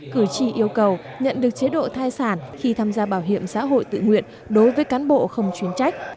cử tri yêu cầu nhận được chế độ thai sản khi tham gia bảo hiểm xã hội tự nguyện đối với cán bộ không chuyến trách